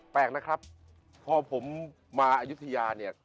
แปลกนะครับพอผมมาอายุทยาเนี่ย